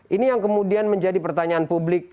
ini yang kemudian menjadi pertanyaan publik